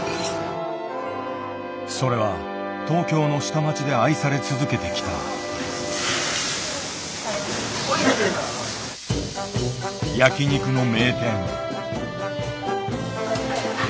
それは東京の下町で愛され続けてきた焼き肉の名店。